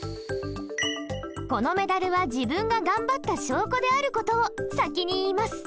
このメダルは自分ががんばった証拠である事を先に言います。